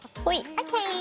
ＯＫ。